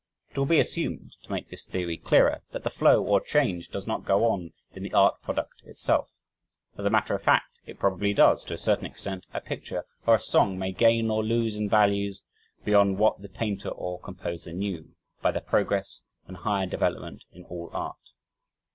It will be assumed, to make this theory clearer, that the "flow" or "change" does not go on in the art product itself. As a matter of fact it probably does, to a certain extent a picture, or a song, may gain or lose in value beyond what the painter or composer knew, by the progress and higher development in all art.